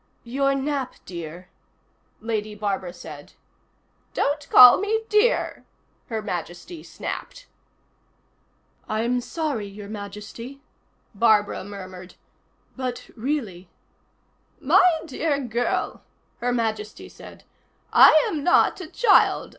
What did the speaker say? "Your nap, dear," Lady Barbara said. "Don't call me dear," Her Majesty snapped. "I'm sorry, Your Majesty," Barbara murmured. "But really " "My dear girl," Her Majesty said, "I am not a child.